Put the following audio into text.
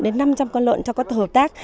đến năm trăm linh con lợn cho các tổ hợp tác